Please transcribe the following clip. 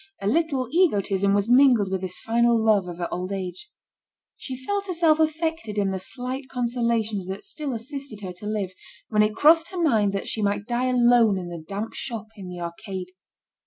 A little egotism was mingled with this final love of her old age. She felt herself affected in the slight consolations that still assisted her to live, when it crossed her mind that she might die alone in the damp shop in the arcade.